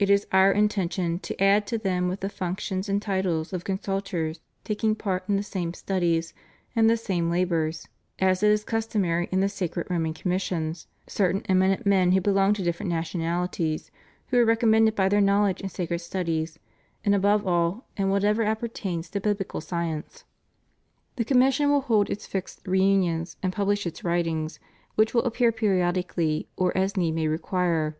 It is Chir intention to add to them with the functions and titles of consultors taking part in the same studies and the same labors, as it is customary in the sacred Roman commissions, cer tain eminent men who belong to different nationahties, who are recommended by their knowledge in sacred stud ies, and above all, in whatever appertains to bibUcal science. The commission will hold its fixed reunions and pub lish its writings, which will appear periodically or as need may require.